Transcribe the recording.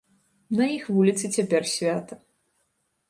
На іх вуліцы цяпер свята.